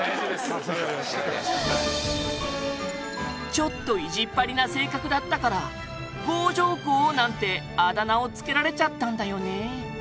ちょっと意地っ張りな性格だったから強情公なんてあだ名をつけられちゃったんだよね。